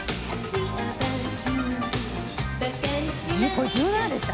これ１７でした？